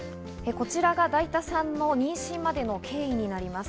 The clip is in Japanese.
こちらがだいたさんの妊娠までの経緯になります。